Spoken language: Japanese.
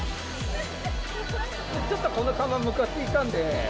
ちょっとこの看板、むかついたんで。